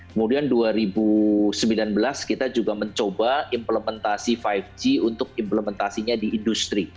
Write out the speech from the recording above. kemudian dua ribu sembilan belas kita juga mencoba implementasi lima g untuk implementasinya di industri